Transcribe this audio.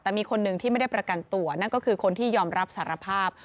แต่มีคนหนึ่งที่ไม่ได้ประกันตัวนั่นก็คือคนที่ยอมรับสารภาพ